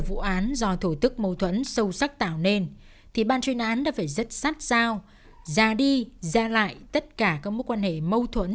vấn đề mâu thuẫn thì ai là người mâu thuẫn